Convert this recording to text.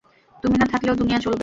তুমি না থাকলেও দুনিয়া চলবে।